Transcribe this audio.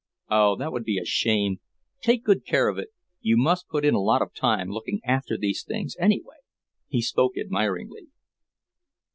"Oh, that would be a shame! Take good care of it. You must put in a lot of time looking after these things, anyway." He spoke admiringly.